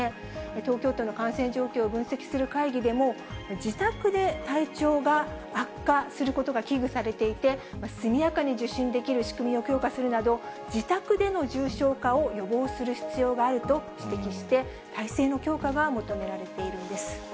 東京都の感染状況を分析する会議でも、自宅で体調が悪化することが危惧されていて、速やかに受診できる仕組みを強化するなど、自宅での重症化を予防する必要があると指摘して、体制の強化が求められているんです。